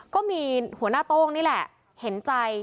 ก็มีหัวหน้าโต้งนี่แหละเห็นใจ